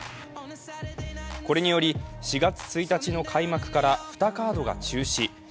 これにより、４月１日の開幕から２カードが中止。